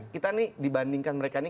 kita nih dibandingkan mereka ini